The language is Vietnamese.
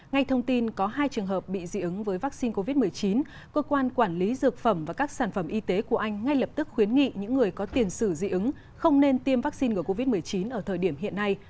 ngay thông tin có hai trường hợp bị dị ứng với vaccine covid một mươi chín cơ quan quản lý dược phẩm và các sản phẩm y tế của anh ngay lập tức khuyến nghị những người có tiền sử dị ứng không nên tiêm vaccine ngừa covid một mươi chín ở thời điểm hiện nay